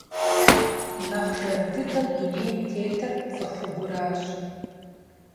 Нэхъ жэр дыдэу дунейм тетыр цӀыхугуращ.